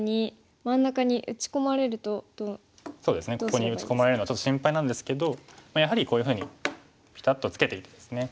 ここに打ち込まれるのはちょっと心配なんですけどやはりこういうふうにピタッとツケていってですね。